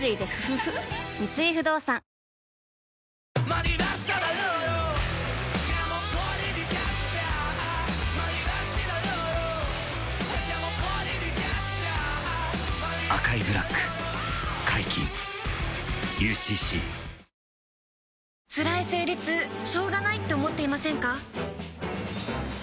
三井不動産つらい生理痛しょうがないって思っていませんか？